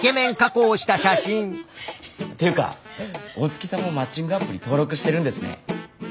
っていうか大月さんもマッチングアプリ登録してるんですね。